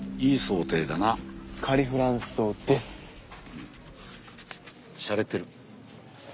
うんしゃれてる。